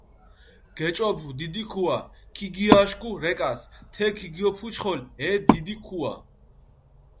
გეჭოფუ დიდი ქუა, ქიგიაშქუ რეკას, თექი ქიგიოფუჩხოლჷ ე დიდი ქუა.